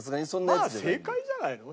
まあ正解じゃないの？